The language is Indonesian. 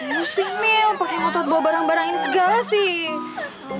emosi mil pake motot bawa barang barang ini segala sih